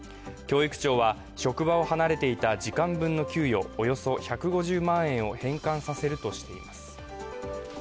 教育庁は職場を離れていた時間分の給与およそ１５０万円を返還させるとしています。